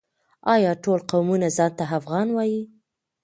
آیا ټول قومونه ځان ته افغان وايي؟